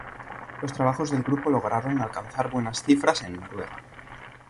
Los trabajos del grupo lograron alcanzar buenas cifras en Noruega.